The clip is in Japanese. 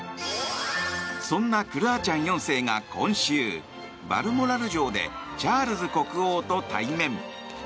そんなクルアチャン４世が今週バルモラル城でチャールズ国王と対面。